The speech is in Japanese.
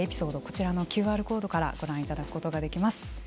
こちらのＱＲコードからご覧いただくことができます。